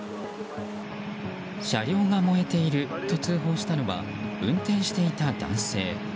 車両が燃えていると通報したのは運転していた男性。